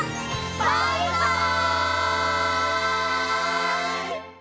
バイバイ！